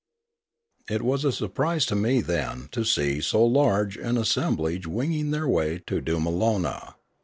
It was a surprise to me then to see so large an as semblage winging their way to Doomalona.